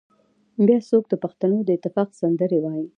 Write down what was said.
بيا څوک د پښتنو د اتفاق سندرې وايي